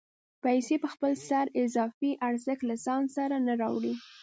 پیسې په خپل سر اضافي ارزښت له ځان سره نه راوړي